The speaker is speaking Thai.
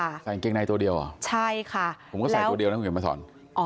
ใส่กางเกงในตัวเดียวเหรอใช่ค่ะผมก็ใส่ตัวเดียวนะคุณเขียนมาสอน